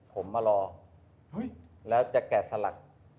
ผมมารอแล้วจะแกะสลัก